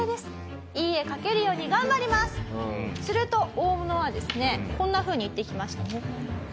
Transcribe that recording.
すると大物はですねこんなふうに言ってきました。